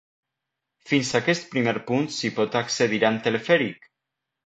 Fins aquest primer punt s'hi pot accedir amb telefèric.